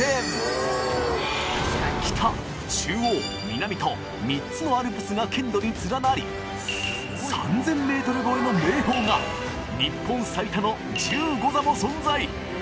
北中央南と３つのアルプスが県土に連なり３０００ｍ越えの名峰が日本最多の１５座も存在